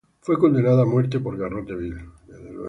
Fue condenada a muerte por garrote vil.